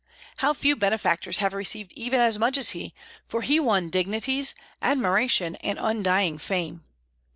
How few benefactors have received even as much as he; for he won dignities, admiration, and undying fame.